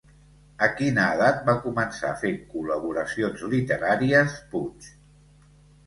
A quina edat va començar a fer col·laboracions literàries Puig?